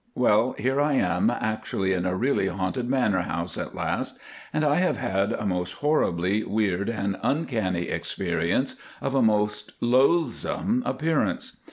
—Well, here I am, actually in a really haunted manor house at last, and I have had a most horribly, weird, and uncanny experience of a most loathsome appearance.